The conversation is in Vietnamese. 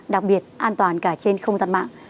đặc biệt an toàn cả trên không gian mạng